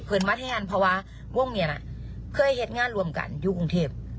เพิ่งมาที่อันภาวะวงเนี้ยน่ะเคยเห็ดงานรวมกันอยู่กรุงเทพฯ